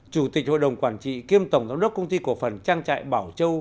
chủ tịch hội đồng quản trị kiêm tổng giám đốc công ty cổ phần trang trại bảo châu